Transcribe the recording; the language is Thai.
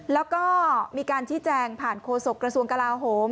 แล้วก็มีการชี้แจงผ่านโฆษกระทรวงกลาโหม